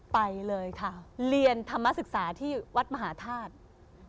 ไปเลยค่ะเรียนธรรมศึกษาที่วัดมหาธาตุ